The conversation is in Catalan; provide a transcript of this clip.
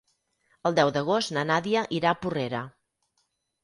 El deu d'agost na Nàdia irà a Porrera.